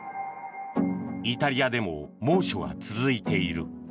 イタリアでも猛暑が続いている。